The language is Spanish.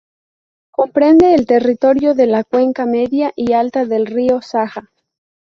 Comprende el territorio de la cuenca media y alta del río Saja.